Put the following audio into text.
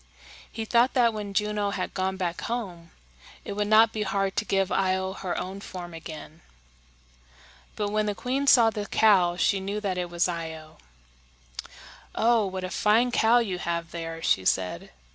He thought that when Juno had gone back home, it would not be hard to give Io her own form again. But when the queen saw the cow, she knew that it was Io. "Oh, what a fine cow you have there!" she said.